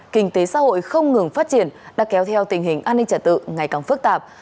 kinh tế xã hội không ngừng phát triển đã kéo theo tình hình an ninh trả tự ngày càng phức tạp